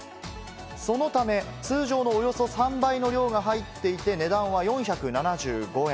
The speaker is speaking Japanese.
そのため通常のおよそ３倍の量が入っていて、値段は４７５円。